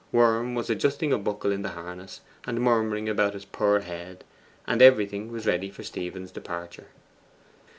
Worm was adjusting a buckle in the harness, and murmuring about his poor head; and everything was ready for Stephen's departure.